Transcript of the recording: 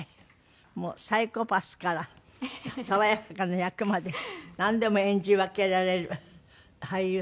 もうサイコパスから爽やかな役までなんでも演じ分けられる俳優さんだと伺っております。